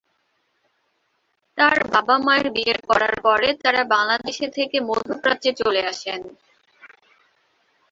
তার বাবা-মায়ের বিয়ে করার পরে তারা বাংলাদেশে থেকে মধ্যপ্রাচ্যে চলে আসেন।